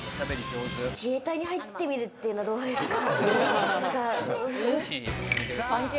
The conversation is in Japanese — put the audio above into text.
自衛隊に入ってみるというのはどうですか？